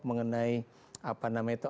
mengenai apa namanya itu